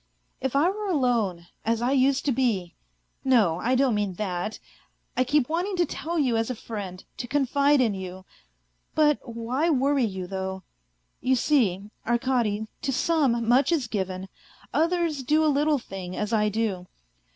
..." If I were alone, as I used to be. ... No! I don't mean that. I keep wanting to tell you as a friend, to confide in you. ... But why worry you, though ?... You see, Arkady, to some much is given, others do a little thing as I do.